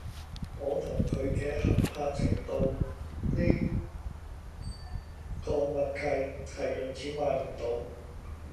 我同佢嘅合拍程度呢呢個默契係用錢都買唔到